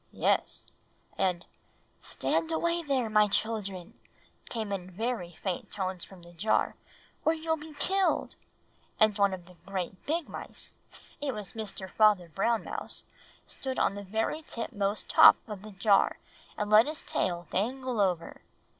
"Yes; and 'Stand away there, my children,' came in very faint tones from the jar, 'or you'll be killed;' and one of the great big mice it was Mr. Father Brown Mouse stood on the very tip most top of the jar, and let his tail dangle over.